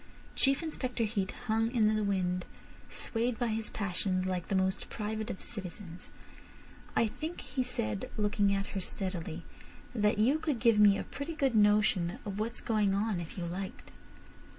Chief Inspector Heat hung in the wind, swayed by his passions like the most private of citizens. "I think," he said, looking at her steadily, "that you could give me a pretty good notion of what's going on if you liked."